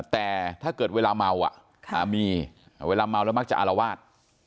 แต่ถ้าเกิดเวลาเมามีเวลาเมาแล้วมักจะอารวาส